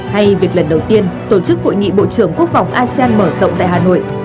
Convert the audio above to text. hay việc lần đầu tiên tổ chức hội nghị bộ trưởng quốc phòng asean mở rộng tại hà nội